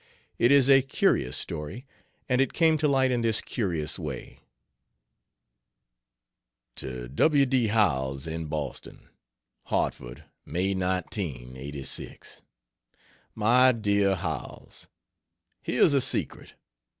It is a curious story, and it came to light in this curious way: To W. D. Howells, in Boston: HARTFORD, May 19, '86. MY DEAR HOWELLS, ..... Here's a secret.